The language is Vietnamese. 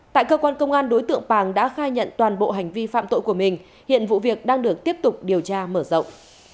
tại cơ quan công an đối tượng pàng đã khai nhận toàn bộ hành vi phạm tội của mình hiện vụ việc đang được tiếp tục điều tra mở rộng